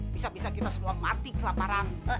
bisa bisa kita semua mati kelaparan